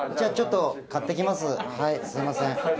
すいません。